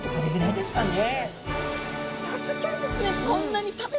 いやすギョいですね。